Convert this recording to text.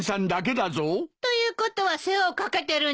ということは世話を掛けてるんじゃないの。